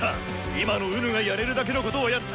今の己がやれるだけのことはやった。